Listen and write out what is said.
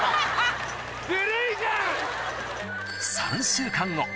３週間後